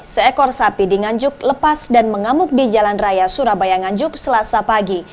seekor sapi di nganjuk lepas dan mengamuk di jalan raya surabaya nganjuk selasa pagi